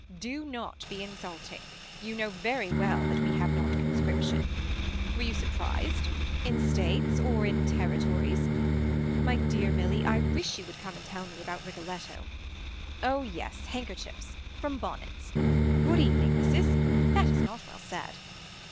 Do not be insulting. You know very well that we have not conscription. Were you surprised. In states. Or in territories. My dear Milly. I wish you would come and tell me about Rigoletto. Oh yes handkerchiefs From Bonnets. Good evening Mrs. That is not well said.